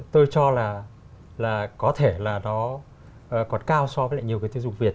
tôi cho là có thể là nó còn cao so với nhiều tiêu dụng việt